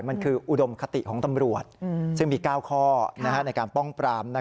มันคืออุดมคติของตำรวจซึ่งมี๙ข้อในการป้องปราม